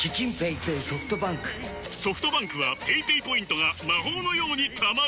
ソフトバンクはペイペイポイントが魔法のように貯まる！